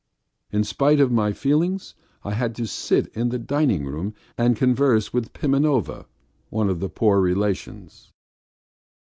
In spite of my feelings, I had to sit in the dining room and converse with Pimenovna, one of the poor relations.